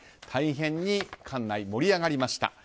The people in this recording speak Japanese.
大変に館内盛り上がりました。